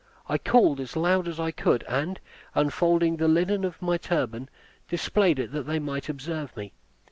I called as loud as I could, and, unfolding the linen of my turban, displayed it that they might observe me.